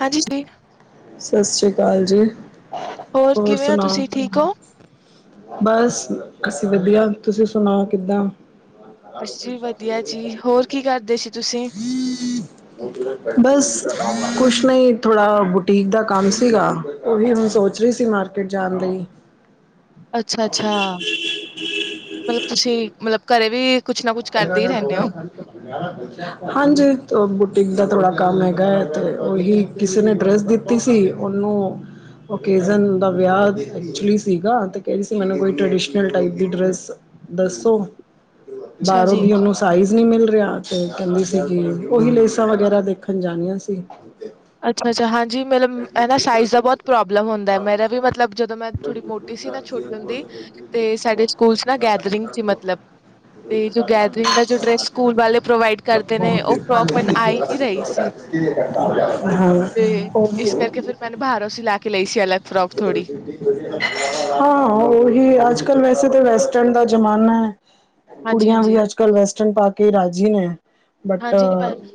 ਹਾਂਜੀ ਜੀ! ਸਤਿ ਸ਼੍ਰੀ ਅਕਾਲ ਜੀ। ਹੋਰ ਕਿਵੇਂ ਹੋ ਤੁਸੀਂ ਠੀਕ ਹੋ। ਬਸ ਅਸੀਂ ਵਧੀਆ। ਤੁਸੀਂ ਸੁਣਾ ਕਿੱਦਾਂ। ਅਸੀਂ ਵਧੀਆ ਜੀ, ਹੋਰ ਕੀ ਕਰਦੇ ਸੀ ਤੁਸੀਂ? ਬਸ ਕੁਛ ਨਹੀਂ ਥੋੜਾ ਬੁਟੀਕ ਦਾ ਕੰਮ ਸੀਗਾ ਉਹੀ ਹੁਣ ਸੋਚ ਰਹੀ ਸੀ ਮਾਰਕਿਟ ਜਾਣ ਲਈ। ਅੱਛਾ-ਅੱਛਾ। ਮਤਲਬ ਤੁਸੀਂ ਹ ਮਤਲਬ ਘਰੇ ਵੀ। ਕੁਛ ਨਾ ਕੁਛ ਕਰਦੇ ਹੀ ਰਹਿੰਦੇ ਹੋ। ਹਾਂਜੀ, ਉਹ ਬੁਟੀਕ ਦਾ ਥੋੜਾ। ਕੰਮ ਹੈਗਾ ਇੱਥੇ ਉਹੀ ਕਿਸੇ ਨੇ ਡਰੈੱਸ ਦਿੱਤੀ ਸੀ ਉਹਨੂੰ। ਓਕਜਨ ਦਾ ਵਿਆਹ ਵੀ ਵਿੱਚ ਸੀਗਾ ਤੇ ਕਹਿੰਦੀ ਸੀ ਮੈਂਨੂੰ ਕੋਈ ਟਰਡੀਸਨ ਟਾਈਪ ਦੀ ਡਰੈੱਸ। ਦੱਸੋ ਅੱਛਾ ਬਾਹਰੋ ਜੀ, ਦੀ ਉਹਨੂੰ ਸਾਈਜ਼? ਨਹੀਂ ਮਿਲ ਰਿਹਾ ਤੇ ਕਹਿੰਦੀ ਸੀਗੀ ਉਹੀ ਲੇਸਾਂ ਵਗੈਰਾ ਦੇਖਣ ਜਾਣੀਆਂ ਸੀ। ਅੱਛਾ-ਅੱਛਾ ਹਾਂਜੀ। ਮਤਲਬ ਨਾ ਸਾਈਜ਼ ਦਾ ਬਹੁਤ ਪ੍ਰੋਬਲਮ ਹੁੰਦਾ ਮੇਰਾ ਵੀ ਮਤਲਬ ਜਦੋਂ ਮੈਂ ਥੋੜੀ ਮੋਟੀ ਸੀ ਨਾ ਛੋਟੀ ਹੁੰਦੀ। ਤੇ ਸਾਡੇ ਸਕੂਲ 'ਚ ਨਾ ਗੈਦਰਿੰਗ ਸੀ ਮਤਲਬ। ਤੇ ਜੋ ਗੈਦਰਿੰਗ ਦਾ ਜੋ ਡਰੈਸ ਸਕੂਲ ਵਾਲੇ ਪ੍ਰੋਵਾਈਡ ਕਰਦੇ ਨੇ ਉਹ ਫਰੋਕ ਮੈੰਨੂੰ ਆਈ ਨੀ ਰਹੀ ਸੀ। ਹਾਂ। ਤੇ ਇਸ ਉਹ ਕਰਕੇ ਫੇਰ ਮੈਨੂੰ ਬਾਹਰੋਂ ਸਿਲਾਣੀ। ਹਾਂ ਉਹੀ ਅੱਜ-ਕੱਲ ਵੈਸੇ ਤੇ ਵੈਸੇ। ਜਿਦਾਂ ਦਾ ਜ਼ਮਾਨਾ ਹੈ ਕੁੜੀਆਂ ਵੀ ਹਾਂਜੀ-ਹਾਂਜੀ, ਅੱਜ-ਕੱਲ ਵੈਸਟਰਨ ਪਾ ਕੇ ਰਾਜੀ ਨੇ। ਬਟ। ਹਾਂਜੀ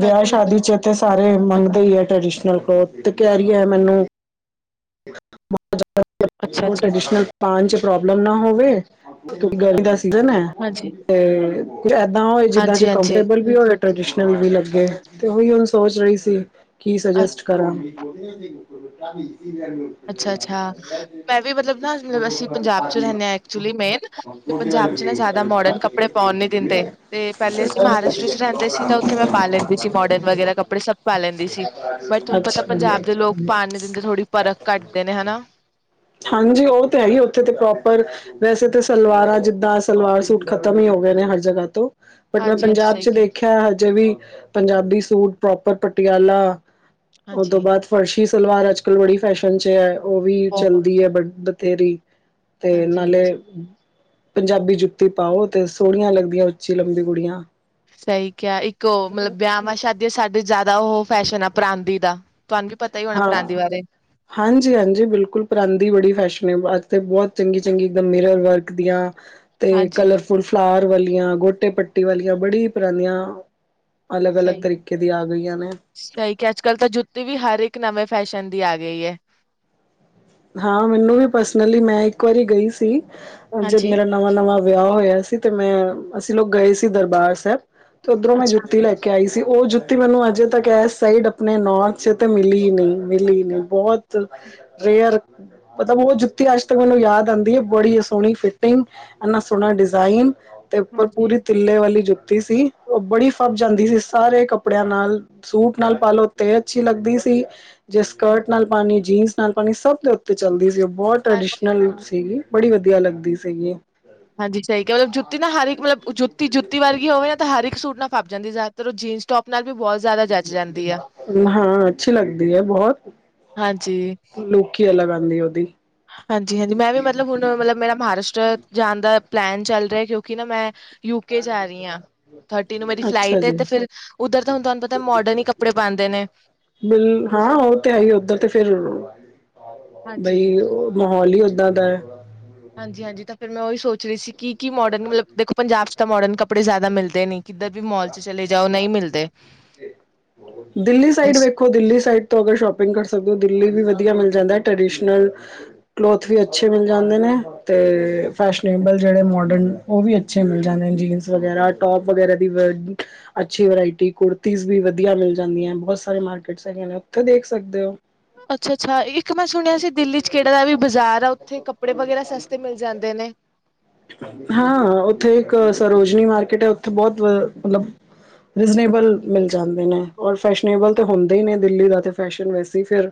ਵਿਆਹ ਸ਼ਾਦੀ 'ਚ ਸਾਰੇ ਮੰਗਦੇ ਹੀ ਆ ਟ੍ਰਡੀਸ਼ਨਲ ਕਲੋਥ ਤੇ ਕਹਿ ਰਹੀ ਹੈ ਮੈਨੂੰ। ਉਹ ਅੱਛਾ-ਅੱਛਾ, ਟ੍ਰਡੀਸ਼ਨਲ ਪਾਉਣ 'ਚ ਪ੍ਰੋਬਲਮ ਨਾ ਹੋਵੇ ਕਿਉਂਕਿ ਅੱਜ। ਹੈ ਹਾਂਜੀ, ਤੇ ਕੁਝ ਏਦਾਂ ਹੋਏ ਜਿੱਦਾਂ ਚ ਹਾਂਜੀ-ਹਾਂਜੀ। ਕੰਫਰਟੇਬਲ ਵੀ ਹੋਏ। ਟ੍ਰਡੀਸ਼ਨਲ ਵੀ ਲੱਗੇ ਤੇ ਉਹੀ ਹੁਣ ਸੋਚ ਰਹੀ ਸੀ ਕੀ ਅ ਸੋਜਸਟ ਕਰਾਂ। ਉਹ ਵੀ ਅਸੀਂ। ਅੱਛਾ-ਅੱਛਾ ਮੈਂ ਵੀ ਮਤਲਬ ਨਾ ਅਸੀਂ ਪੰਜਾਬ 'ਚ ਰਹਿਣੇ ਹਾਂ ਐਕਚੁਲੀ ਮੇ ਤੇ ਪੰਜ। ਪੰਜਾਬ 'ਚ ਨਾ ਜ਼ਿਆਦਾ ਮੋਡਰਨ ਕੱਪੜੇ ਪਾਉਣ ਨੀ ਦਿੰਦੇ ਤੇ ਪਹਿਲੇ ਅਸੀਂ ਮਹਾਰਾਸ਼ਟਰ ਚ ਰਹਿੰਦੇ ਸੀ, ਤਾਂ ਉੱਥੇ ਮੈਂ ਪਾ ਲੈਂਦੀ ਸੀ। ਮੋਡਰਨ ਵਗੈਰਾ ਕੱਪੜੇ ਸਭ ਪਾ ਲੈਂਦੀ ਸੀ ਬਟ ਤੁਹਾਨੂੰ ਪਤਾ ਪੰਜਾਬ ਦੇ ਲੋਕ ਪਾ ਨੀ ਦਿੰਦੇ ਥੋੜੀ ਪਰਖ। ਕੱਢਦੇ ਨੇ ਹਨਾ, ਹਾਂਜੀ ਉਹ ਤੇ ਹੈ ਹੀ ਉੱਥੇ ਤੇ ਪ੍ਰੋਪਰ। ਵੈਸੇ ਤਾਂ ਸਲਵਾਰ ਆ ਜਿੱਦਾਂ ਸਲਵਾਰ ਸੂਟ ਖ਼ਤਮ ਹੀ ਹੋ ਗਏ ਨੇ ਹਰ ਜਗ੍ਹਾ ਤੋਂ। ਬਟ ਮੈਂ ਹਾਂਜੀ-ਹਾਂਜੀ ਪੰਜਾਬ ਸਹੀ ਚ ਕਿਹਾ। ਦੇਖਿਆ ਹਜੇ ਵੀ ਪੰਜਾਬੀ ਸੂਟ ਪ੍ਰੋਪਰ ਪਟਿਆਲਾ। ਉਹ ਤੋਂ ਹਾਂਜੀ, ਬਾਅਦ ਫਰਸ਼ੀ ਸਲਵਾਰ ਅੱਜ-ਕੱਲ੍ਹ ਬੜੀ ਫੈਸ਼ਨ 'ਚ ਹੈ। ਉਹ ਵੀ ਬਹੁਤ ਚੱਲਦੀ ਹੈ ਬਟ ਬਥੇਰੀ ਤੇ ਨਾਲੇ ਹਾਂਜੀ-ਹਾਂਜੀ, ਪੰਜਾਬੀ ਜੁੱਤੀ। ਜੁੱਤੀ ਪਾਓ ਤੇ ਸੋਹਣੀਆਂ ਲੱਗਦੀਆਂ ਉੱਚੀ ਲੰਬੀ ਕੁੜੀਆਂ। ਸਹੀ ਕਿਹਾ ਇੱਕ ਉਹ ਮਤਲਬ ਵਿਆਹਮਾਸ਼ਾਦੀ 'ਚ ਸਾਡੇ ਜ਼ਿਆਦਾ ਉਹ ਫੈਸ਼ਨ ਆ ਪਰਾਂਦੀ ਦਾ। ਤੁਹਾਨੂੰ ਵੀ ਪਤਾ ਹੀ ਹੋਣਾ ਹਾਂ ਪਰਾਂਦੀ ਬਾਰੇ, ਹਾਂਜੀ ਹਾਂਜੀ ਬਿਲਕੁਲ ਪਰਾਂਦੀ ਬੜੀ ਫੈਸ਼ਨਲ। ਤੇ ਬਹੁਤ ਚੰਗੀ ਚੰਗੀ ਇੱਕਦਮ ਮਿਰਰ ਵਰਕ ਦੀਆਂ ਤੇ ਹਾਂਜੀ ਕਲਰਫੁਲ ਫਲਾਵਰ ਵਾਲੀਆਂ । ਗੋਟੇ ਪੱਟੇ ਵਾਲੀਆਂ ਬੜੀ ਪੁਰਾਣੀਆਂ ਹੈ। ਸਹੀ ਸਹੀ ਕਿਹਾ ਅੱਜ ਕੱਲ ਤਾਂ ਜੁੱਤੇ ਵੀ ਹਰ ਇੱਕ। ਇੱਕ ਨਵੇਂ ਫੈਸ਼ਨ ਦੀ ਆ ਗਈ ਹੈ? ਹਾਂ ਮੈਨੂੰ ਵੀ ਪਰਸਨਲੀ ਮੈਂ ਇੱਕ ਵਾਰੀ ਗਈ ਸੀ ਜਦ ਹਾਂਜੀ, ਮੇਰਾ ਨਵਾਂ ਨਵਾਂ। ਵਿਆਹ ਹੋਇਆ ਸੀ ਤੇ ਮੈਂ ਅਸੀਂ ਲੋਕ ਗਏ ਸੀ ਦਰਬਾਰ ਸਾਹਿਬ ਤੇ ਉੱਧਰੋਂ ਮੈਂ ਅੱਛਾ, ਜੁੱਤੀ ਲੈ ਕੇ ਆਈ। ਸੀ ਉਹ ਜੁੱਤੀ ਮੈਨੂੰ ਅਜੇ ਤੱਕ ਇਸ ਸਾਈਡ ਆਪਣੇ ਨੌਰਥ 'ਚ ਤੇ ਮਿਲੀ ਨਹੀਂ ਮਿਲੀ ਨਹੀਂ ਬਹੁਤ। ਰੇਅਰ। ਮਤਲਬ ਉਹ ਜੁੱਤੀ ਅੱਜ ਤੱਕ ਮੈਨੂੰ ਯਾਦ ਆਉਂਦੀ ਏ ਬੜੀ ਸੋਹਣੀ ਫਿਟਿੰਗ ਇੰਨਾ ਸੋਹਣਾ ਡਿਜ਼ਾਇਨ। ਤੇ ਉੱਪਰ ਹਾਂਜੀ, ਪੂਰੀ ਤਲੇ ਵਾਲੀ ਜੁੱਤੀ ਸੀ ਉਹ ਬੜੀ ਫੱਬ ਜਾਂਦੀ ਸੀ ਸਾਰੇ ਕੱਪੜੇ। ਕੱਪੜਿਆਂ ਨਾਲ ਸੂਟ ਨਾਲ ਪਾਲੋ ਤੇ ਅੱਛੀ ਲੱਗਦੀ ਸੀ ਜੇ ਹਾਂਜੀ, ਸਕਰਟ ਨਾਲ ਪਾਲੋ ਜੀਨਸ। ਨਾਲ ਬਣੀ ਸਭ ਦੇ ਉੱਤੇ ਚੱਲਦੀ ਸੀ ਉਹ ਬਹੁਤ ਟ੍ਰਡੀਸ਼ਨਲ ਹਾਂਜੀ, ਸੀਗੀ ਬੜੀ ਵਧੀਆ ਲੱਗਦੀ ਸੀਗੀ। ਹਾਂਜੀ ਸਹੀ ਕਿਹਾ ਮਤਲਬ ਜੁੱਤੀ ਨਾ ਹਰ ਇੱਕ ਮਤਲਬ ਜੁੱਤੀ ਜੁੱਤੀ ਵਰਗੀ ਹੋਵੇ ਨਾ ਤਾਂ ਹਰ ਇੱਕ ਸੂਟ। ਨਾਲ ਫੱਬ ਜਾਂਦੀ ਜ਼ਿਆਦਾਤਰ ਉਹ ਜੀਨਸ ਟੋਪ ਨਾਲ। ਵੀ ਬਹੁਤ ਜ਼ਿਆਦਾ ਜੱਚ ਜਾਂਦੀ ਆ। ਹਾਂ, ਅੱਛੀ ਲੱਗਦੀ ਹੈ ਬਹੁਤ। ਹਾਂਜੀ। ਨਹੀਂ ਉਹਦੀ। ਹਾਂਜੀ ਹਾਂਜੀ ਮੈਂ ਵੀ ਮਤਲਬ ਹੁਣ ਮਤਲਬ ਮੇਰਾ ਮਹਾਰਾਸ਼ਟਰ ਜਾਣ ਦਾ। ਪਲੈਨ ਚੱਲ ਰਿਹਾ ਕਿਉਂਕਿ ਨਾ ਮੈਂ? ਯੂਕੇ ਜਾ ਰਹੀ ਆ, ਥਰਟੀ ਨੂੰ ਮੇਰੀ ਅੱਛਾ ਫਲਾਈਟ ਏ ਜੀ ਤੇ ਫਿਰ ਉੱਧਰ ਤਾਂ ਹੁਣ ਤੁਹਾਨੂੰ ਪਤਾ ਮੋਡਰਨ ਹੀ ਕੱਪੜੇ ਪਾਉਂਦੇ ਨੇ। ਬਿਲ ਹਾਂ, ਉਹ ਤੇ ਆਈ ਉੱਧਰ ਤੇ ਫਿਰ ਬਈ ਹਾਂਜੀ। ਮਾਹੌਲ ਹੀ ਓਦਾਂ ਦਾ ਐ। ਹਾਂਜੀ ਹਾਂਜੀ, ਤਾਂ ਫਿਰ ਮੈਂ ਉਹੀ ਸੋਚ ਰਹੀ ਸੀ ਕਿ ਕੀ ਮੋਡਰਨ ਮਤਲਬ ਦੇਖੋ, ਪੰਜਾਬ 'ਚ ਤਾਂ ਮੋਡਨ ਕੱਪੜੇ ਜ਼ਿਆਦਾ ਮਿਲਦੇ ਨੀ। ਕਿੱਧਰ ਵੀ ਮੋਲ ਚ ਚਲੇ ਜਾਉ ਨਹੀਂ ਮਿਲਦੇ। ਦਿੱਲੀ ਸਾਈਡ ਵੇਖੋ, ਦਿੱਲੀ ਸਾਈਡ ਤੋਂ ਅਗਰ ਸ਼ੋਪਿੰਗ ਕਰ ਸਕਦੇ ਹੋ, ਦਿੱਲੀ ਵੀ ਵਧੀਆ ਮਿਲ ਜਾਂਦਾ। ਰੀਡੇਸ਼ਨਲ ਕਲੋਥ ਵੀ ਅੱਛੇ ਮਿਲ ਜਾਂਦੇ ਨੇ, ਤੇ ਫੈਸ਼ਨੇਬਲ ਜਿਹੜੇ ਮੋਡਨ ਉਹ ਵੀ ਅੱਛੇ ਮਿਲ ਜਾਂਦੇ ਨੇ, ਜੀਨਸ ਵਗੈਰਾ, ਟੋਪ ਵਗੈਰਾ ਅੱਛੀ ਵਰਾਇਟੀ ਕੁੁਰਤੀਸ ਵੀ ਵਧੀਆ ਮਿਲ ਜਾਂਦੀਆਂ, ਬਹੁਤ ਸਾਰੇ ਮਾਰਕੀਟ ਹੈਗੀਆਂ ਨੇ ਉੱਥੇ ਦੇ ਦੇਖ ਸਕਦੇ ਹੋ। ਅੱਛਾ ਅੱਛਾ, ਇੱਕ ਮੈਂ ਸੁਣਿਆ ਸੀ ਦਿੱਲੀ ਚ ਕਿਹੜਾ ਦਾ ਵੀ ਬਾਜ਼ਾਰ ਆ, ਉੱਥੇ ਕੱਪੜੇ ਵਗੈਰਾ ਸਸਤੇ ਮਿਲ ਜਾਂਦੇ ਨੇ। ਹਾਂ, ਉੱਥੇ ਇੱਕ ਸਰੋਜਨੀ ਮਾਰਕੀਟ ਹੈ, ਉੱਥੇ ਬਹੁਤ ਮਤਲਬ ਰੀਜ਼ਨੇਬਲ ਮਿਲ ਜਾਂਦੇ ਨੇ, ਔਰ ਫੈਸ਼ਨੇਬਲ ਤਾਂ ਹੁੰਦਾ ਹੀ ਨੇ, ਦਿੱਲੀ ਦਾ ਫੈਸ਼ਨ ਵੈਸੇ ਫਿਰ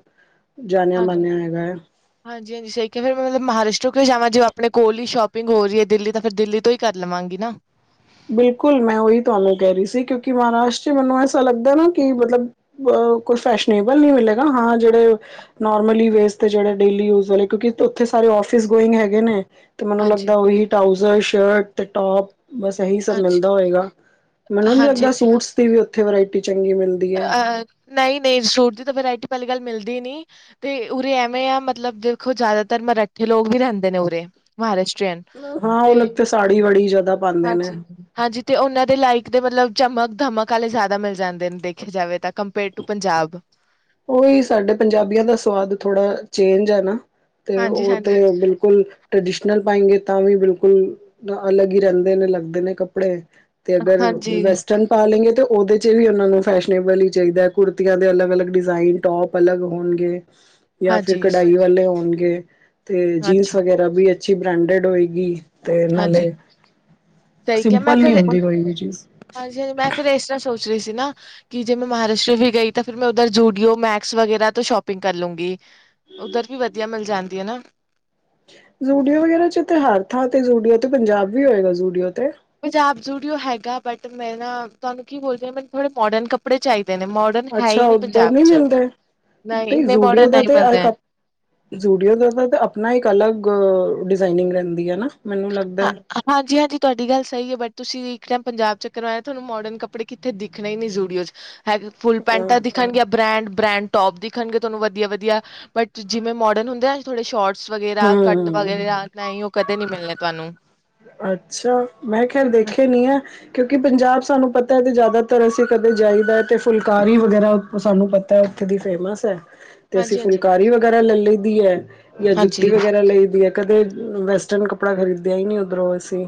ਜਾਣਿਆ ਹਾਂਜੀ ਮਾਨਿਆ ਹੈਗਾ ਹੈ ਹਾਂਜੀ ਹਾਂਜੀ, ਸਹੀ ਕਿਹਾ ਫਿਰ ਮੈਂ ਮਤਲਬ ਮਹਾਰਾਸ਼ਟਰ ਜਾਵਾਂ ਜੇ ਆਪਣੇ ਕੋਲ ਹੀ ਸ਼ੋਪ ਸੋਪਿੰਗ ਹੋ ਰਹੀਏ, ਦਿੱਲੀ ਤਾਂ ਫਿਰ ਦਿੱਲੀ ਤੋਂ ਹੀ ਕਰ ਲਵਾਂਗੀ ਨਾ। ਬਿਲਕੁਲ, ਮੈਂ ਉਹੀ ਤੁਹਾਨੂੰ ਕਹਿ ਰਹੀ ਸੀ ਕਿਉਂਕਿ ਮਹਾਰਾਸ਼ਟਰ ਚ ਮੈਨੂੰ ਐਸਾ ਲੱਗਦਾ ਨਾ ਕਿ ਮਤਲਬ ਫੈਸ਼ਨੇਬਲ ਨੀ ਮਿਲੇਗਾ ਹਾਂ, ਜਿਹੜੇ ਨੋਰਮਲੀ ਵੇਸ ਜਿਹੜੇ ਡੇਲੀ ਯੂਜ ਕਿਉਂਕਿ ਉੱਥੇ ਸਾਰੇ ਆਫਿਸ ਗੋਇੰਗ ਹੈਗੇ ਨੇ ਤੇ ਮੈਨੂੰ ਲੱਗਦਾ, ਹਾਂਜੀ, ਉਹੀ ਟਊਜ਼ਰ, ਸ਼ਰਟ ਤੇ ਟੋਪ ਬਸ ਸਹੀ ਸਭ ਹਾਂਜੀ, ਮਿਲਦਾ ਹੋਏਗਾ, ਮੈਨੂੰ ਨੀ ਲੱਗਦਾ ਹਾਂਜੀ-ਹਾਂਜੀ। ਸੂਟਸ ਦੀ ਵੀ ਉੱਥੇ ਵਰਾਇਟੀ ਚੰਗੀ ਮਿਲਦੀ ਐ। ਨਹੀਂ ਨਹੀਂ ਸੂਟ ਦੀ ਤਾਂ ਵਰਾਇਟੀ ਪਹਿਲੀ ਗੱਲ ਮਿਲਦੀ ਨਹੀਂ, ਤੇ ਉਰੇ ਐਵੇਂ ਆ ਮਤਲਬ ਦੇਖੋ ਜ਼ਿਆਦਾਤਰ ਮਰਾਠੇ ਲੋਕ ਵੀ ਰਹਿੰਦੇ ਨੇ ਉਰੇ, ਮਹਾਰਾਸ਼ਟਰ ਹਾਂ ਉਹ ਤੇ ਲੋਕ ਸਾੜੀ ਬੜੀ ਜ਼ਿਆਦਾ ਪਾਉਂਦੇ ਨੇ ਹਾਂਜੀ ਹਾਂਜੀ। ਤੇ ਉਹਨਾਂ ਦੇ ਲਾਇਕ ਦੇ ਮਤਲਬ ਚਮਕ ਧਮਕ ਵਾਲੇ ਜ਼ਿਆਦਾ ਮਿਲ ਜਾਂਦੇ ਨੇ ਦੇਖਿਆ ਜਾਵੇ ਤਾਂ ਕੰਪੇਅਰ ਟੂ ਪੰਜਾਬ। ਉਹੀ ਸਾਡੇ ਪੰਜਾਬੀਆਂ ਦਾ ਸਵਾਦ ਥੋੜਾ ਚੇਂਜ ਹੈ ਨਾ। ਤੇ ਹਾਂਜੀ ਉਹ ਤੇ ਹਾਂਜੀ ਬਿਲਕੁਲ ਟ੍ਰਡੀਸ਼ਨਲ ਪਾਏਗੇ। ਤਾਂ ਵੀ ਬਿਲਕੁਲ ਅਲੱਗ ਹੀ ਰਹਿੰਦੇ ਨੇ, ਲੱਗਦੇ ਨੇ ਕੱਪੜੇ ਤੇ ਅਗਰ ਹਾਂਜੀ ਵੈਸਟਰਨ ਪਾ ਲੈਂਗੇ ਤਾਂ ਉਹਦੇ ਚ ਵੀ ਉਹਨਾਂ ਨੂੰ ਫੈਸ਼ਨੇਬਲ ਹੀ ਚਾਹੀਦਾ, ਕੁੜਤੀਆਂ ਦੇ ਅਲੱਗ ਅਲੱਗ ਡਿਜ਼ਾਇਨ ਟੋਪ ਅਲੱਗ ਹੋਣਗੇ। ਜਾਂ ਫਿਰ ਹਾਂਜੀ ਕਢਾਈ ਵਾਲੇ ਹੋਣਗੇ ਤੇ ਜੀਨਸ ਵਗੈਰਾ ਵੀ ਅੱਛੀ ਬ੍ਰਾਂਡੇਡ ਹੋਏਗੀ ਤੇ ਨਾਲੇ ਹਾਂਜੀ ਸਹੀ ਕਿਹਾ, ਮੈਂ ਸਿੰਪਲ ਨਹੀਂ ਫੇਰ ਹੁੰਦੀ ਹਾਂਜੀ ਕੋਈ ਵੀ ਚੀਜ਼ ਹਾਂਜੀ, ਮੈਂ ਫੇਰ ਇਸ ਤਰ੍ਹਾਂ ਸੋਚ ਸੀ ਨਾ ਕਿ ਜੇ ਮੈਂ ਮਹਾਰਾਸ਼ਟਰ ਵੀ ਗਈ ਤਾਂ ਫੇਰ ਮੈਂ ਉਧਰ ਜੂਡੀਓ, ਮੈਕਸ ਵਗੈਰਾ ਤੋਂ ਸ਼ੋਪਿੰਗ ਕਰ ਲੂੰਗੀ। ਉਧਰ ਵੀ ਵਧੀਆ ਮਿਲ ਜਾਂਦੀ ਏ ਨਾ। ਜੂਡੀਓ ਵਗੈਰਾ ਚ ਤੇ ਹਰ ਥਾਂ ਤੇ ਜੂਡੀਓ ਤੇ ਪੰਜਾਬ ਵੀ ਹੋਏਗਾ ਜੂਡੀਓ। ਪੰਜਾਬ ਜ਼ੁਡੀਓ ਹੈਗਾ, ਬਟ ਮੈਂ ਨਾ ਤੁਹਾਨੂੰ ਕੀ ਬੋਲਦੀ ਆ, ਮੈਨੂੰ ਥੋੜੇ ਮੋਡਰਨ ਕੱਪੜੇ ਚਾਹੀਦੇ। ਨੇ ਮੋਡਰਨ ਹੈ ਅੱਛਾ ਹੀ ਨਹੀਂ ਉੱਧਰ ਪੰਜਾਬ ਚ, ਮਿਲਦੇ ਨਹੀਂ ਇੰਨੇ ਮੋਡਰਨ ਨਹੀਂ ਮਿਲਦੇ। ਜੂਡੀਓ ਦਾ ਤਾਂ ਆਪਣਾ ਇੱਕ ਅਲੱਗ ਡਿਜ਼ਾਇਨਿੰਗ ਰਹਿੰਦੀ ਹੈ ਨਾ। ਮੈਨੂੰ ਹਾਂ ਲੱਗਦਾ ਹਾਂਜੀ ਹਾਂਜੀ। ਤੁਹਾਡੀ ਗੱਲ ਸਹੀ ਏ, ਬਟ ਤੁਸੀਂ ਇੱਕ ਟਾਈਮ ਪੰਜਾਬ ਚੱਕਰ ਲਾਇਆ ਤੁਹਾਨੂੰ ਮੋਡਰਨ ਕਪੜੇ ਕਿਤੇ ਦਿਖਣੇ ਹੀ ਨੀ ਜੂਡੀਓ ਚ। ਜਾ ਫ਼ੁੱਲ ਅ ਪੈਂਟਾ ਦਿਖਣਗੀਆਂ। ਬ੍ਰੈਂਡ ਬ੍ਰੈਂਡ ਟੋਪ ਦਿਖਣਗੇ, ਤੁਹਾਨੂੰ ਵਧੀਆ ਵਧੀਆ ਬਟ ਜਿਵੇਂ ਮੋਡਰਨ ਹੁੰਦੇ ਆ ਥੋੜ੍ਹੇ ਸ਼ੋਰਟਸ ਵਗੈਰਾ ਕੱਟ ਹਮ ਵਗੈਰਾ ਨਹੀਂ, ਉਹ ਕਦੇ ਨਹੀਂ ਮਿਲਣੇ ਤੁਹਾਨੂੰ। ਅੱਛਾ, ਮੈਂ ਖੈਰ ਦੇਖੇ ਨੀ ਐ ਕਿਉਂਕਿ ਪੰਜਾਬ ਚ ਸਾਨੂੰ ਪਤਾ ਹੈ ਕਿ ਜ਼ਿਆਦਾਤਰ ਅਸੀਂ ਕਦੇ ਜਾਈਦਾ ਅਤੇ ਫੁਲਕਾਰੀ ਵਗੈਰਾ ਸਾਨੂੰ ਪਤਾ ਉੱਥੇ ਦੀ ਫੇਮਸ ਐ। ਤੇ ਅਸੀਂ ਹਾਂਜੀ-ਹਾਂਜੀ। ਫੁਲਕਾਰੀ ਵਗੈਰਾ ਲੈ ਲਈ ਦੀ ਐ। ਜਾਂ ਜੁੱਤੀ ਹਾਂਜੀ। ਵਗੈਰਾ ਲਈ ਦੀ ਐ, ਕਦੇ ਵੈਸਟਰਨ ਕੱਪੜਾ ਖਰੀਦਿਆ ਹੀ ਨਹੀਂ ਉਧਰੋਂ ਅਸੀਂ।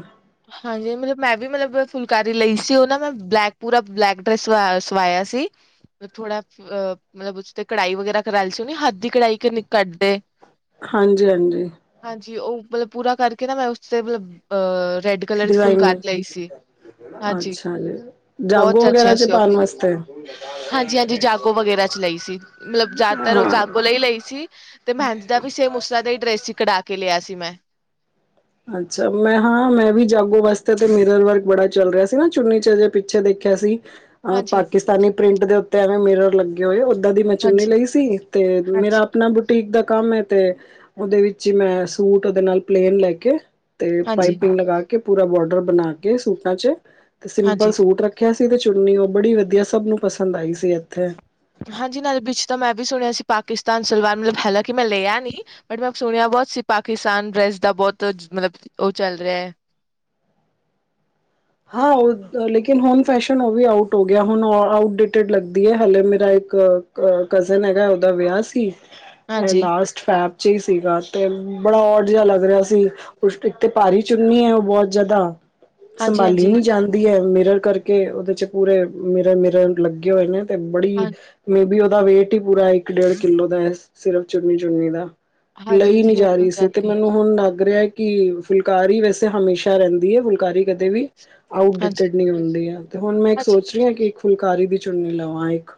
ਹਾਂਜੀ, ਮਤਲਬ ਮੈਂ ਵੀ ਮਤਲਬ ਫੁਲਕਾਰੀ ਲਈ ਸੀ, ਉਹ ਨਾ ਮੈਂ ਬਲੈਕ ਪੂਰਾ ਬਲੈਕ ਡਰੈਸ ਸਵਾਇਆ ਸੀ। ਥੋੜਾ ਅਹ ਮਤਲਬ ਉਸ ਤੇ ਕੜਾਈ ਵਗੈਰਾ ਕਰਾ ਲਈ ਸੀ ਉਹਣੀ ਹੱਥ ਦੀ ਕੜਾਈ ਕੱਢਦੇ ਹਾਂਜੀ ਹਾਂਜੀ। ਹਾਂਜੀ ਉਹ ਮਤਲਬ ਪੂਰਾ ਕਰਕੇ ਨਾ ਮੈਂ ਉਸਤੇ ਮਤਲਬ ਅਹ ਰੈਡ ਕਲਰ ਦੀ ਫੁੱਲ ਕਰ ਡਿਜ਼ਾਇਨਿੰਗ ਲਈ ਸੀ। ਹਾਂਜੀ ਅੱਛਾ ਜੀ ਜਾਗੋ ਬਹੁਤ ਵਗੈਰਾ ਅੱਛਾ ਚ ਸੀ ਉਹ ਪਾਉਣ ਵੀ ਵਾਸਤੇ। ਹਾਂਜੀ ਹਾਂਜੀ ਜਾਗੋ ਵਗੈਰਾ ਚ ਲਈ ਸੀ ਮਤਲਬ ਜ਼ਿਆਦਾਤਰ ਉਹ ਹਾਂ ਜਾਗੋ ਲਈ ਲਈ ਸੀ ਤੇ ਮਹਿੰਦੀ ਦਾ ਵੀ ਮੁਸਲਾ ਦਾ ਹੀ ਡਰੈਸ ਸੀ ਕਢਾ ਕੇ ਲਿਆ ਸੀ ਮੈਂ। ਅੱਛਾ ਮੈਂ ਹਾਂ ਮੈਂ ਵੀ ਜਾਗੋ ਵਾਸਤੇ ਤੇ ਮੇਰਰ ਵਰਕ ਬੜਾ ਚੱਲ ਰਿਹਾ ਸੀ ਨਾ ਚੁੰਨੀ ਚਜੇ ਪਿੱਛੇ ਦੇਖਿਆ ਸੀ। ਅਹ ਹਾਂਜੀ ਪਾਕਿਸਤਾਨੀ ਪ੍ਰਿੰਟ ਦੇ ਉੱਤੇ ਐਵੇਂ ਮੇਰਰ ਲੱਗੇ ਹੋਏ। ਦੀ ਮੈਂ ਚੁੰਨੀ ਹਾਂਜੀ ਲਈ ਸੀ ਤੇ ਮੇਰਾ ਹਾਂਜੀ ਆਪਣਾ ਬੁਟੀਕ ਦਾ ਕੰਮ ਤੇ ਉਹਦੇ ਵਿੱਚ ਹੀ ਮੈਂ ਸੂਟ ਉਹਦੇ ਨਾਲ ਪਲੇਨ ਲੈ ਕੇ ਤੇ ਹਾਂਜੀ ਪਾਈਪਿੰਗ ਲਗਾ ਕੇ ਪੂਰਾ ਬਾਰਡਰ ਬਣਾ ਕੇ ਸੂਟਾਂ ਚ ਤੇ ਸਿੰਪਲ ਹਾਂਜੀ ਸੂਟ ਰੱਖਿਆ। ਤੇ ਚੁਣਨੀ ਉਹ ਬੜੀ ਵਧੀਆ ਸਭ ਨੂੰ ਪਸੰਦ ਆਈ ਸੀ ਇੱਥੇ ਹਾਂਜੀ ਨਾਲੇ ਵਿੱਚ ਤਾਂ ਮੈਂ ਵੀ ਸੁਣਿਆ ਸੀ ਪਾਕਿਸਤਾਨ ਸਲਵਾਰ ਮਤਲਬ ਹਾਲਾਂਕ ਮੈਂ ਲਿਆ ਨੀ ਬਟ ਮੈਂ ਸੁਣਿਆ ਬਹੁਤ ਸੀ ਪਾਕਿਸਤਾਨ ਡਰੈਸ ਦਾ ਬਹੁਤ ਮਤਲਬ ਉਹ ਚੱਲ ਰਿਹਾ ਹੈ। [inaudible] ਹਾਂ ਉਹ ਲੇਕਿਨ ਹੁਣ ਫੈਸ਼ਨ ਉਹ ਵੀ ਆਊਟ ਹੋ ਗਿਆ ਹੁ ਆਟ ਡੇਟ ਲੱਗਦੀ ਹੈ ਹਾਲਲੇ ਮੇਰਾ ਇੱਕ ਕਜ਼ਨ ਹੈਗਾ ਉਹਦਾ ਵਿਆਹ ਸੀ ਹਾਂਜੀ ਲਾਸਟ ਫੈ ਹੀ ਸੀਗਾ ਤੇ ਬੜਾ ਔਟ ਜਿਹਾ ਲੱਗ ਰਿਹਾ ਸੀ ਇੱਕ ਤੇ ਭਾਰੀ ਚੁੰਨੀ ਹੈ ਉਹ ਬਹੁਤ ਜਿਆਦਾ ਹਾਂਜੀ ਸੰਭਾਲੀ ਹਾਂਜੀ ਨਹੀਂ ਜਾਂਦੀ ਹੈ ਮਿਰਰ ਕਰਕੇ ਉਹਦੇ ਚ ਪੂਰੇ ਮਿਰਰ ਮਿਰਰ ਲੱਗੇ ਹੋਏ ਨੇ ਤੇ ਬੜੀ ਹਾਂ ਮੇਬੀ ਉਹਦਾ ਵੇਟ ਹੀ ਪੂਰਾ ਇੱਕ ਡੇਢ ਕਿੱਲੋ ਦਾ ਸਿਰਫ ਚੁਨੀ ਚੁਨੀ ਦਾ। ਹਾਂਜੀ ਲਈ ਨੀ ਹਾਂਜੀ ਹੇਵੀ ਜਾ ਹੋ ਰਹੀ ਸੀ ਤੇ ਜਾਂਦੀ ਹੈ ਮੈਨੂੰ ਹੁਣ ਲੱਗ ਰਿਹਾ ਕਿ ਫੁਲਕਾਰੀ ਵੈਸੇ ਹਮੇਸ਼ਾ ਰਹਿੰਦੀ ਹੈ ਫੁਲਕਾਰੀ ਕਦੇ ਵੀ ਆਊਟ ਹਾਂਜੀ ਡੇਟਡ ਨਹੀਂ ਹੁੰਦੀ ਹੈ ਤੇ ਹੁਣ ਮੈਂ ਇੱਕ ਹਾਂਜੀ ਸੋਚ ਰਹੀ ਹਾਂ ਕਿ ਇੱਕ ਫੁਲਕਾਰੀ ਦੀ ਚੁੰਨੀ ਲਵਾਂ ਇੱਕ।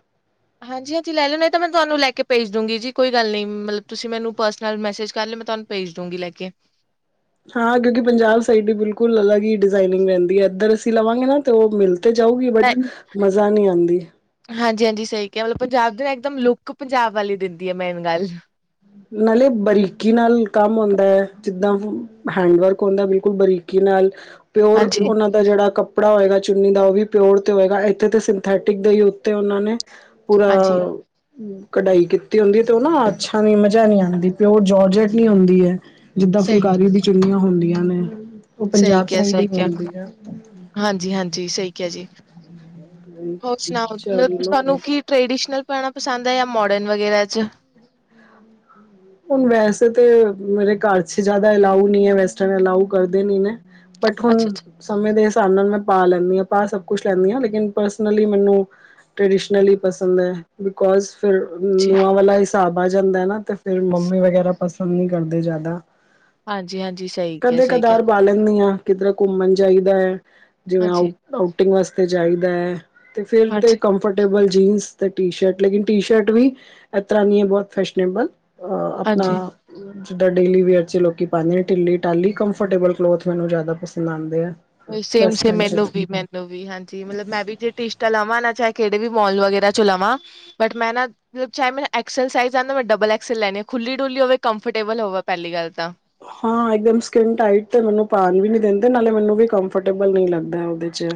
ਹਾਂਜੀ ਹਾਂਜੀ ਲੈ ਲਓ ਨਹੀਂ ਮੈਂ ਤੁਹਾਨੂੰ ਲੈ ਕੇ ਭੇਜ ਦੂੰਗੀ ਜੀ ਕੋਈ ਗੱਲ ਨਹੀਂ ਮਤਲਬ ਤੁਸੀਂ ਮੈਨੂੰ ਪਰਸਨਲ ਮੈਸੇਜ ਕਰ ਲਿ ਮਤਲਬ ਤੁਹਾਨੂੰ ਭੇਜ ਦਊਗੀ ਲੈ ਕੇ। ਹਾਂ ਕਿਉਂਕਿ ਪੰਜਾਬ ਸਾਈਡ ਦੀ ਬਿਲਕੁਲ ਅਲੱਗ ਹੀ ਡਿਜ਼ਾਇਨਿੰਗ ਰਹਿੰਦੀ ਹੈ ਇੱਧਰ ਅਸੀਂ ਲਵਾਂਗੇ ਨਾ ਤੇ ਉਹ ਮਿਲ ਤੇ ਜਾਊਗੀ ਬਟ ਮਜ਼ਾ ਨਹੀਂ ਆਉਂਦੀ। ਹਾਂਜੀ ਸਹੀ ਕਿਹਾ ਮਤਲਬ ਪੰਜਾਬ ਦੇ ਨਾ ਇੱਕਦਮ ਲੁੱਕ ਪੰਜਾਬ ਵਾਲੀ ਦਿੰਦੀ ਹੈ ਮੇਨ ਗੱਲ। ਨਾਲੇ ਬਰੀਕੀ ਨਾਲ ਕੰਮ ਆਉਂਦਾ ਹੈ ਜਿੱਦਾਂ ਹੈਂਡਵਰਕ ਹੁੰਦਾ ਬਿਲਕੁਲ ਬਰੀਕੀ ਨਾਲ। ਪਿਓਰ ਹਾਂਜੀ-ਹਾਂਜੀ ਉਹਨਾਂ ਦਾ ਜਿਹੜਾ ਕ ਕੱਪੜਾ ਹੋਏਗਾ ਚੁੰਨੀ ਦਾ ਉਹ ਵੀ ਪਿਓਰ ਤੇ ਹੋਏਗਾ ਇੱਥੇ ਤੇ ਸਿੰਥੈਟਿਕ ਦੇ ਹੀ ਉੱਤੇ ਉਹਨਾਂ ਨੇ ਪੂਰਾ ਕਢਾਈ ਕੀਤੀ ਹੁੰਦੀ ਤੇ ਉਹ ਨਾ ਆੱਛਾਂ ਦੀ ਮ ਨ ਆਦੀ ਪਿਓਰ ਜਜਟ ਨੀ ਹੁੰਦੀ ਹੈ ਜਿੱਦਾਂ ਸਹੀ ਫੁਲਕਾਰੀ ਦੀ ਚੁਨੀਆਂ ਹੁੰਦੀਆਂ ਨੇ। ਉਹ ਸਹੀ ਪੰਜਾਬ ਕਿਹਾ ਸਾਈਡ ਸਹੀ ਹੀ ਕਿਹਾ ਮਿਲਦੀ ਆ ਹਾਂਜੀ ਹਾਂਜੀ ਸਹੀ ਕਿਹਾ ਜੀ। ਹੋਰ ਸੁਣਾੳ ਚਲੋ ਤੁਹਾਨੂੰ ਟ ਪੈਣਾ ਪਸੰਦ ਹੈ ਜਾਂ ਮੋਡਰਨ ਵਗੈਰਾ ਚ? ਹੁਣ ਵੈਸੇ ਤਾਂ ਮੇਰੇ ਘਰ ਚ ਜ਼ਿਆਦਾ ਅਲਾਊ ਨਹੀਂ ਹੈ ਵੈਸਟਰ ਅਲਾ ਕਰਦੇ ਨ। ਬਟ ਅੱਛਾ-ਅੱਛਾ ਹੁਣ ਸਮੇਂ ਦੇ ਹਿਸਾਬ ਨਾਲ ਮੈਂ ਪਾ ਲਿਆ। ਸਭ ਕੁਛ ਲੈਂਦੀ ਆ ਲੇਕਿਨ ਪਰਸਨਲੀ ਮੈਨੂੰ ਟਡੀਲੀ ਪਸੰਦ ਹੈ ਬਿਕੋ ਫਿਰ ਨ ਜੀ ਨੂੰਹਾਂ ਵਾਲਾ ਹਿਸਾਬ ਆ ਜਾਂਦਾ ਨਾ ਤੇ ਫਿਰ ਮੰਮੀ ਵਗੈਰਾ ਪਸੰਦ ਨਹੀਂ ਕਰਦੇ ਜ਼ਿਆਦਾ। ਹਾਂਜੀ-ਹਾਂਜੀ ਸਹੀ ਕਿਹਾ ਕਦੇ ਸਹੀ ਕਿਹਾ ਕਦਾਰ ਪਾ ਲੈਂਦੀ ਹਾ। ਕਿਧਰ ਘੁੰਮਣ ਜਾਈਦਾ ਹੈ ਜਿਵੇਂ ਆ ਆਊਟਿੰਗ ਵਾਸਤੇ ਜਾਈਦਾ ਹੈ। ਤੇ ਫੇਰ ਤੇ ਹਾਂਜੀ-ਹਾਂਜੀ-ਹਾਂਜੀ। ਕੰਫਰਟੇਬਲ ਜੀਨਸ ਤੇ ਟੀ ਸ਼ਰਟ ਲੇਕਿਨ ਟੀ ਸ਼ਰਟ ਵੀ ਇਸ ਤਰ੍ਹਾਂ ਨ ਹੈ ਬਹੁਤ ਫੈਸ਼ਨਨੇਬਲ ਆਪਣਾ ਜਿੱਦਾਂ ਡੇਲੀ ਵੇਅਰ ' ਲੋਕੀ ਪਾਉਂਦੇ ਨੇ ਟਿਲੀ ਟਾਹਲੀ ਕੰਫਰਟੇਬਲ ਕਲੋਥ ਮੈਨੂੰ ਜ਼ਿਆਦਾ ਪਸੰਦ ਆਉਂਦੇ ਆ। ਸੇਮ ਸੇਮ ਵੈਸਟਰਨ ਚ ਮੈਨੂੰ ਵੀ ਮੈਨੂੰ ਵੀ ਹਾਂਜੀ ਮਤਲਬ ਮੈਂ ਵੀ ਜੇ ਟਟੀਸ਼ਟਾ ਲਾਵਾਂ ਨਾ ਚ ਕਿਹੜੇ ਵੀ ਮੋਲ ਵਗੈਰਾ ਚੋਂ ਲਵਾਂ ਬਟ ਮੈਂ ਨਾ ਚਾਹੇ ਮ ਐਕਸਲ ਸਜ਼ ਆਉਦਾ ਮੈਂ ਡਬਲ ਐਕਸਲ ਲੈਣੀ ਹ ਖੁੱਲੀ ਡੁੱਲੀ ਹੋਵੇ ਕੰਫਰਟੇਬਲ ਹੋਵੇ ਪਹਿਲੀ ਗੱਲ ਤਾਂ। ਹਾਂ ਇਕਦਮ ਸਕਿਟਂ ਟਾਈਟ ਤੇ ਮੈਨੂੰ ਪਾਣ ਵੀ ਨੀ ਦਿੰਦੇ ਨਾਲੇ ਮੈਨੂੰ ਵੀ ਕੰਫਰਟੇਬਲ ਨਹੀਂ ਲੱਗਦਾ ਉਦੇ ਚ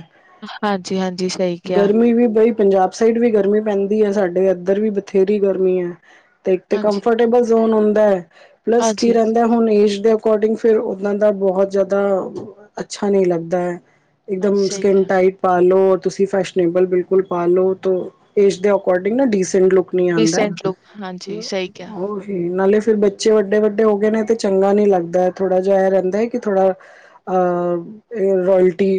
ਹਾਂਜੀ, ਹਾਂਜੀ ਸਹੀ ਕਿਹਾ ਗਰਮੀ ਵੀ ਬਈ ਪੰਜਾਬ ਸਾਈਡ ਵੀ ਗਰਮੀ ਪੈਂਦੀ ਹੈ ਸਾਡੇ ਇੱਧਰ ਵੀ ਬਥੇਰੀ ਗਰਮੀ ਐ। ਤੇ ਇੱਕ ਤੇ ਹਾਂਜੀ ਕੰਫਰਟੇਬਲ ਜ਼ੋਨ ਹੁੰਦਾ ਪਲੱਸ ਕੀ ਹਾਂਜੀ ਰਹਿੰਦਾ ਹੁਣ ਏਸ਼ ਦ ਅਕੋਡਿੰਗ ਫਿਰ ਨਾਂ ਦਾ ਬਹੁਤ ਜ਼ਿਆਦਾ ਅੱਛਾ ਨਹੀਂ ਲੱਗਦੇ ਹਾਂਜੀ ਇੱਕਦਮ ਸਹੀ ਸਕਿੰਨ ਕਿਹਾ ਟਾਈਟ ਪਾ ਲੋ ਤੁਸੀਂ ਫੈਸ਼ਨੇਬਲ ਬਿਲਕੁਲ ਪਾ ਲੋ ਤੋ ਏਜ ਦੇ ਅਕੋਰਡਿੰਗ ਨਾ ਡੀਸ ਲੁਕ ਨੀ ਆਂਦਾ ਡੀਸੈਂਟ ਲੁੱਕ ਹਾਂਜੀ ਸਹੀ ਕਿਹਾ ਉਹੀ ਨਾਲੇ ਫੇਰ ਬੱਚੇ ਵੱਡੇ ਵੱਡੇ ਹੋ ਗਏ ਨੇ ਤੇ ਚੰਗਾ ਨੀ ਲੱਗਦਾ ਥੋੜਾ ਜਿਹਾ ਇਹ ਰਹਿੰਦਾ ਹੈ ਕਿ ਥੋੜਾ ਅ ਰੋਅਲਟੀ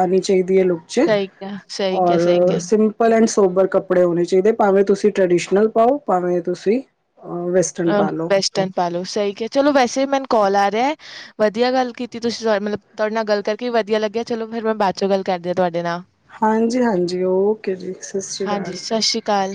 ਆਣੀ ਚਾਹੀਦੀ ਹੈ ਲੋਕ ਚ ਸਹੀ ਕਿਹਾ ਸਹੀ ਕਿਹਾ ਸਹੀ ਔਰ ਕਿਹਾ। ਸਿੰਪਲ ਸੋਬਰ ਕੱਪੜੇ ਹੋਣੇ ਚਾਹੀਦੇ ਭਾਵੇਂ ਤੁਸੀਂ ਟ੍ਰਡੀਸ਼ਨਲ ਪਾਓ ਭਾਵੇਂ ਤੁਸੀ ਅ ਵੈਸਟਨ ਪਾ ਲੋ ਸਹੀ ਕਿਹਾ ਚਲੋ ਵੈਸੇ ਮੈਨ ਕੋਲ ਆ ਰਿਹਾ ਵ ਵਧੀਆ ਗੱਲ ਕੀਤੀ ਤੁਸੀਂ ਸ ਮਤਲਬ ਤੁਹਾਡੇ ਨਾਲ ਗੱਲ ਕਰਕੇ ਵੀ ਵਧੀਆ ਲੱਗਿਆ ਚਲੋ ਫਿਰ ਮੈਂ ਬਾਅਦ ਚੋਂ ਗੱਲ ਕਰਦੀ ਤੁਹਾਡੇ ਨਾਲ। ਹਾਂਜੀ, ਹਾਂਜੀ ਓਕੇ ਜੀ ਸਸ ਰੀ ਹਾਂਜੀ ਕਾਲ ਸਤਿ ਸ਼੍ਰੀ ਅਕਾਲ।